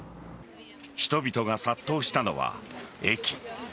人々が殺到したのは駅。